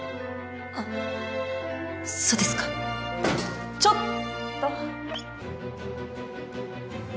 あっそうですか。ちょっと。